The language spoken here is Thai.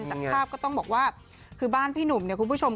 จากภาพก็ต้องบอกว่าคือบ้านพี่หนุ่มเนี่ยคุณผู้ชม